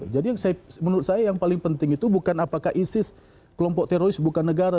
jadi menurut saya yang paling penting itu bukan apakah isis kelompok teroris bukan negara